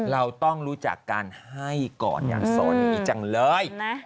เราต้องรู้จักการให้ก่อนอย่างสอดีจังเลย